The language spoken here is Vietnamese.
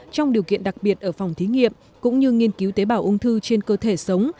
trong điều kiện đặc biệt ở phòng thí nghiệm cũng như nghiên cứu tế bào ung thư trên cơ thể sống